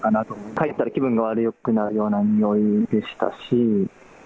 かいでたら気分が悪くなるような臭いでしたし。